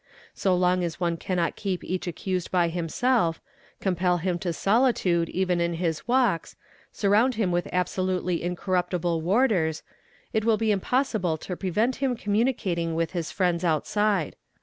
So long as one cannot keep each accused by himself, compel him to solitude even in his walks, surround him with absolutely incorruptible warders, it will be impossible to prevent _ him communicating with his friends outside.